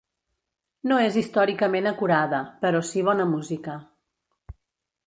No és històricament acurada, però si bona música.